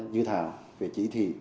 dự thảo về chỉ thi